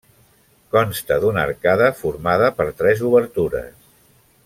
Consta d'una arcada formada per tres obertures.